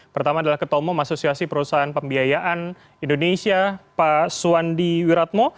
pertama adalah ketua umum asosiasi perusahaan pembiayaan indonesia pak suwandi wiratmo